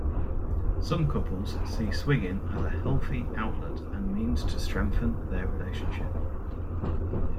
Some couples see swinging as a healthy outlet and means to strengthen their relationship.